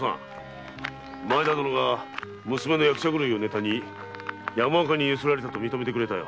前田殿が娘の役者狂いをネタに山岡に強請られたと認めてくれたよ。